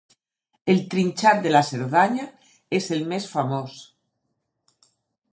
El trinxat de la Cerdanya és el més famòs